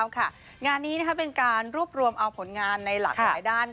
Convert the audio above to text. ค่ะงานนี้นะฮะเป็นการรูบรวมเอาผลงานในหลายด้านของ